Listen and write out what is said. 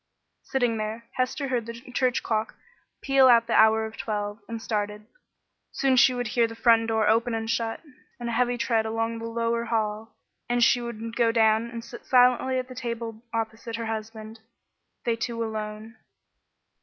Sitting there, Hester heard the church clock peal out the hour of twelve, and started. Soon she would hear the front door open and shut, and a heavy tread along the lower hall, and she would go down and sit silently at the table opposite her husband, they two alone.